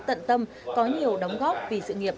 tận tâm có nhiều đóng góp vì sự nghiệp